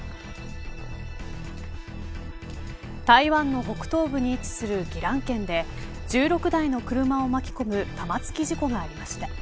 台湾の北東部に位置する宜蘭県で１６台の車を巻き込む玉突き事故がありました。